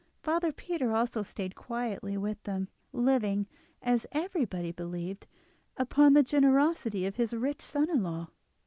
Father Peter also stayed quietly with them, living, as everybody believed, upon the generosity of his rich son in law.